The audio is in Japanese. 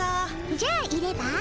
じゃあいれば。